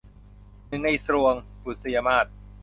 หนึ่งในทรวง - บุษยมาส